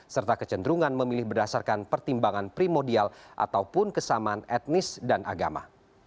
serta kecenderungan memilih berdasarkan pertimbangan primodial ataupun kesamaan etnis dan agama